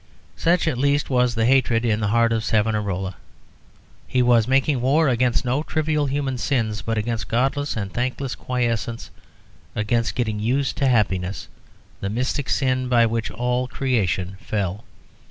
Such, at least, was the hatred in the heart of Savonarola. He was making war against no trivial human sins, but against godless and thankless quiescence, against getting used to happiness, the mystic sin by which all creation fell.